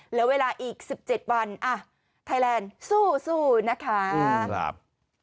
เหลือเวลาอีกสิบเจ็ดวันอ่ะไทยแลนด์สู้สู้นะคะอืมครับ